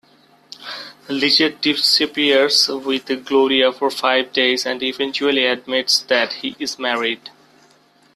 Liggett disappears with Gloria for five days and eventually admits that he is married.